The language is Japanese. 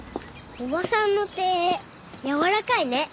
おばさんの手やわらかいね。